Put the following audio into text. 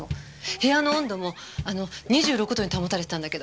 部屋の温度も２６度に保たれてたんだけど。